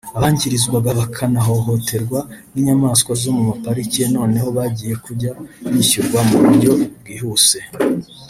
Abangirizwaga bakanahohoterwa n’inyamaswa zo mu maparike noneho bagiye kujya bishyurwa mu buryo buhwitse